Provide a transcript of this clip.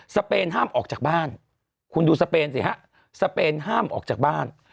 เปนห้ามออกจากบ้านคุณดูสเปนสิฮะสเปนห้ามออกจากบ้าน